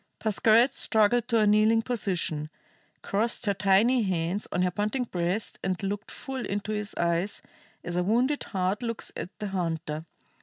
Pascherette struggled to a kneeling position, crossed her tiny hands on her panting breast, and looked full into his eyes as a wounded hart looks at the hunter.